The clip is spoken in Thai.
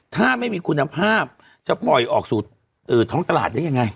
ถ้าไม่มีคุณภาพจะปล่อยออกสู่ท้องตลาดได้ยังไง